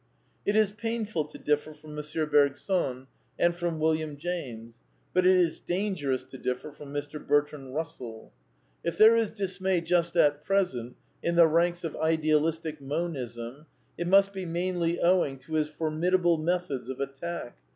It is painful to differ from M. Bergson and from William James; but it is dangerous to differ from Mr. Bertrand Bussell. If there is dismay just at present in the ranks of Idealistic Monism, it must be mainly owing to his formidable methods of attack.